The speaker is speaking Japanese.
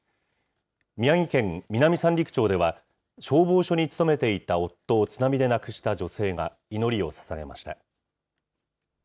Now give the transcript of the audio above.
宮城県南三陸町では、消防署に勤めていた夫を津波で亡くした女性が祈りをささげました。